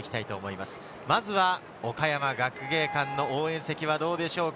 まずは岡山学芸館の応援席はどうでしょうか？